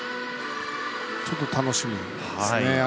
ちょっと楽しみですね。